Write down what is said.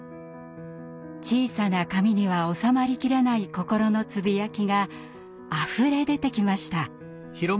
小さな紙にはおさまりきらない心のつぶやきがあふれ出てきました。